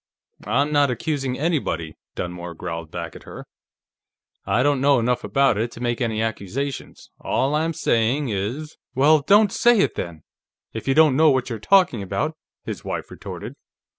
"I'm not accusing anybody," Dunmore growled back at her. "I don't know enough about it to make any accusations. All I'm saying is " "Well, don't say it, then, if you don't know what you're talking about," his wife retorted.